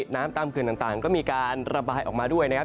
น้ำตามเขื่อนต่างก็มีการระบายออกมาด้วยนะครับ